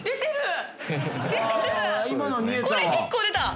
これ結構出た！